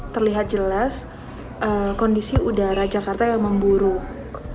terlihat jelas kondisi udara jakarta yang memburuk